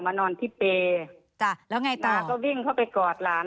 มานอนที่เปรย์น้าก็วิ่งเขาไปกอดหลาน